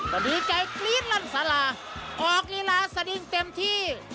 ก็ดีใจกรี๊ดลั่นสาราออกลีลาสดิ้งเต็มที่